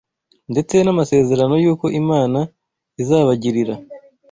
ndetse n’amasezerano y’uko Imana izabagirira